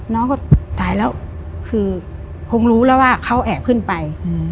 น้องก็ตายแล้วคิดจะรู้คือเขาแอบขึ้นไป